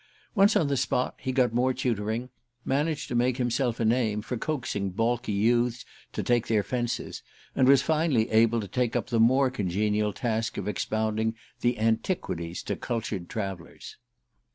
Once on the spot, he got more tutoring, managed to make himself a name for coaxing balky youths to take their fences, and was finally able to take up the more congenial task of expounding "the antiquities" to cultured travellers.